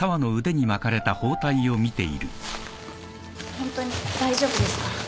ホントに大丈夫ですから。